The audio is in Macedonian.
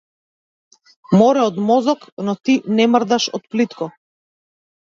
Море од мозок но ти не мрдаш од плитко.